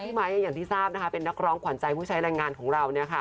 ไมค์อย่างที่ทราบนะคะเป็นนักร้องขวัญใจผู้ใช้แรงงานของเรา